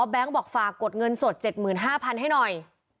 อ๋อแบงค์บอกฝากกดเงินสดเจ็ดหมื่นห้าพันให้หน่อย